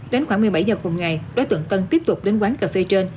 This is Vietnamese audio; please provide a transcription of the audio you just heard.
đến khoảng một mươi bảy h cùng ngày đối tượng tân tiếp tục đến quán cà phê trên